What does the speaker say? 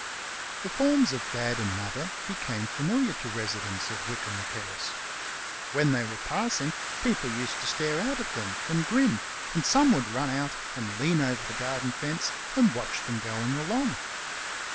The forms of Dad and Mother became familiar to residents of Wickham Terrace. When they were passing people used to stare out at them and grin, and some would run out and lean over the garden fence and watch them going along.